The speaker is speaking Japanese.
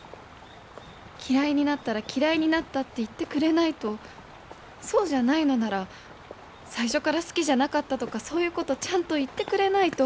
嫌いになったら嫌いになったって言ってくれないと、そうじゃないのなら、最初から好きじゃなかったとかそういうことちゃんと言ってくれないと」。